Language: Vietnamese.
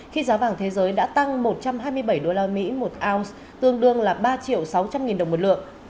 khi giá vàng thế giới đã tăng một trăm hai mươi bảy usd một ounce tương đương là ba sáu trăm linh nghìn đồng một lượng